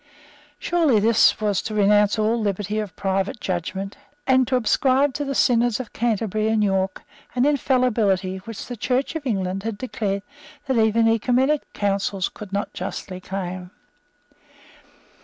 Surely, this was to renounce all liberty of private judgment, and to ascribe to the Synods of Canterbury and York an infallibility which the Church of England had declared that even Oecumenical Councils could not justly claim.